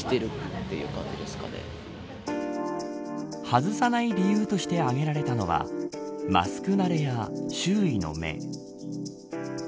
外さない理由として挙げられたのはマスク慣れや周囲の目。